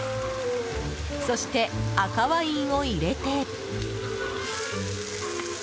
そして赤ワインを入れて。